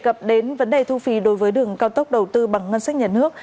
cập đến vấn đề thu phí đối với đường cao tốc đầu tư bằng ngân sách nhà nước